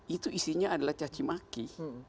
itu isinya adalah cacimaki